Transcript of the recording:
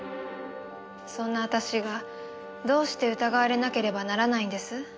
そんな私がどうして疑われなければならないんです？